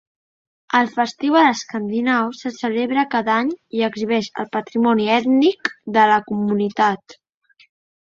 El Festival Escandinau se celebra cada any i exhibeix el patrimoni ètnic de la comunitat.